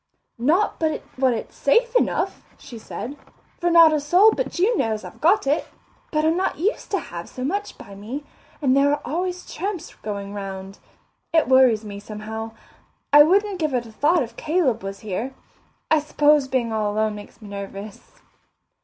"Not but what it's safe enough," she said, "for not a soul but you knows I've got it. But I'm not used to have so much by me, and there are always tramps going round. It worries me somehow. I wouldn't give it a thought if Caleb was here. I s'pose being all alone makes me nervous."